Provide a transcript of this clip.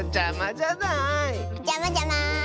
じゃまじゃま。